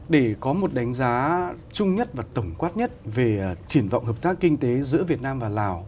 để có một đánh giá chung nhất và tổng quát nhất về triển vọng hợp tác kinh tế giữa việt nam và lào